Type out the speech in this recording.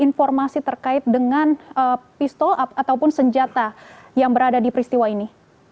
informasi terkait dengan pistol ataupun senjata yang berada di peristiwa ini